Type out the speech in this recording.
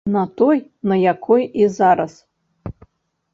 На той, на якой і зараз.